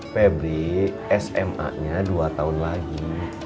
febri sma nya dua tahun lagi